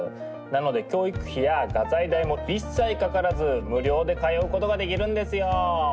なので教育費や画材代も一切かからず無料で通うことができるんですよ。